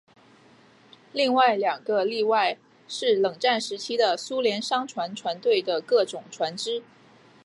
另外两个例外是冷战时期的苏联商船船队的各种船只。